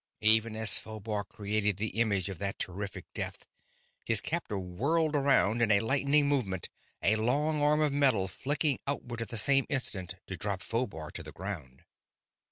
Even as Phobar created the image of that terrific death, his captor whirled around in a lightning movement, a long arm of metal flicking outward at the same instant to drop Phobar to the ground.